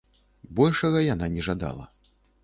Большага яна не жадала.